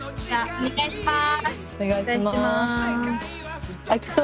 お願いします。